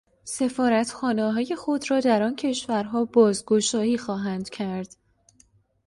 سفارتخانههای خود را در آن کشورها بازگشایی خواهند کرد.